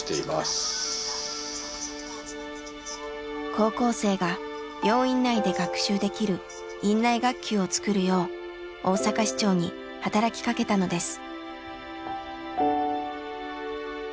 高校生が病院内で学習できる院内学級を作るよう大阪市長に働きかけたのです。